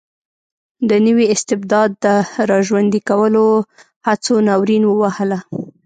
د نوي استبداد د را ژوندي کولو هڅو ناورین ووهله.